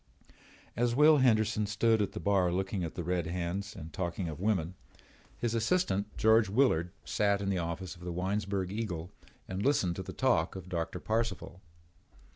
As Will Henderson stood at the bar looking at the red hands and talking of women, his assistant, George Willard, sat in the office of the Winesburg Eagle and listened to the talk of Doctor Parcival.